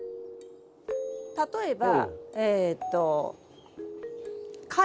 例えばえっと貝。